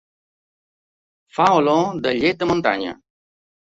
Fa olor de llet de muntanya.